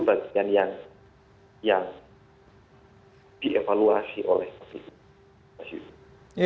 ya berarti kedepannya tidak akan memberikan lagi kisi kisi pertanyaan sehingga nanti spontanitas dari para panelis bisa lebih jauh